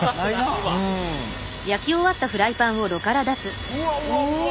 うわうわうわうわ。